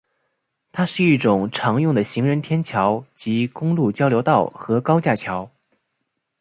它是一种常用的行人天桥及公路交流道和高架桥。